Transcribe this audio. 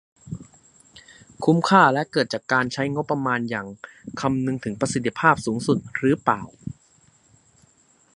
คุ้มค่าและเกิดจากการใช้งบประมาณอย่างคำนึงถึงประสิทธิภาพสูงสุดหรือเปล่า